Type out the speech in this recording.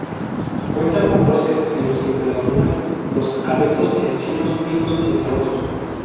Cuenta con bosques, en los que predominan los abetos, encinos, pinos, entre otros.